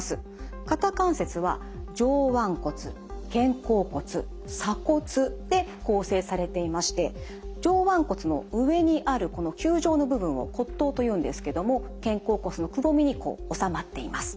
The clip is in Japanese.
肩関節は上腕骨肩甲骨鎖骨で構成されていまして上腕骨の上にあるこの球状の部分を骨頭というんですけども肩甲骨のくぼみにこう収まっています。